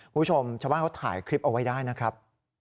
คุณผู้ชมชาวบ้านเขาถ่ายคลิปเอาไว้ได้นะครับ